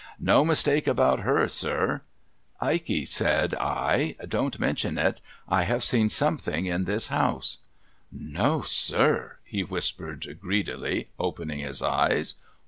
' No niislakc about Jicr, sir,' 'Ikey,' said I, 'don't mention it; I have seen something in this house' 'No, sir?' he whispered, greedily opening his eyes.